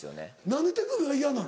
何で手首が嫌なの？